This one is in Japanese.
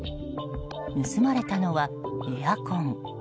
盗まれたのはエアコン。